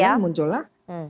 ya muncul lah